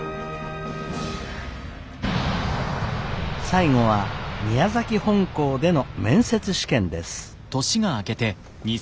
最後は宮崎本校での面接試験です。